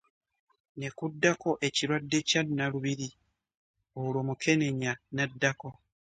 Ne kuddako ekirwadde kya Nnalubiri olwo Mukenenya n'addako